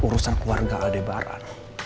urusan keluarga aldebaran